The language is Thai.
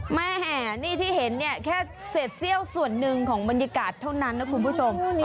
แม่นี่ที่เห็นเนี่ยแค่เศษเซี่ยวส่วนหนึ่งของบรรยากาศเท่านั้นนะคุณผู้ชม